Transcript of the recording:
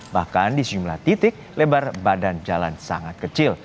bahkan di sejumlah titik lebar badan jalan sangat kecil